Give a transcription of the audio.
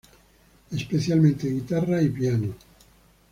Especialmente guitarra y piano.